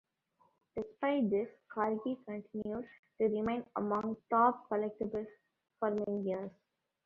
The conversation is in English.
Despite this, Corgi continued to remain among top collectables for many years.